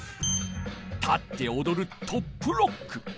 立っておどる「トップロック」。